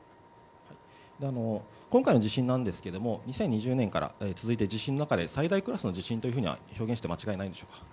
今回の地震なんですけども２０２０年から続いている地震の中で最大クラスの地震と表現して間違いないんでしょうか。